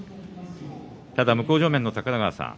ただ向正面の高田川さん